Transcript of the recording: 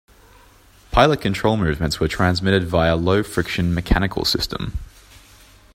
Pilot control movements were transmitted via a low-friction mechanical system.